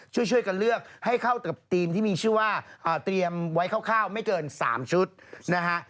ช่วยกันเลือกให้เข้ากับทีมที่มีชื่อว่าเตรียมไว้คร่าวไม่เกิน๓ชุดนะฮะ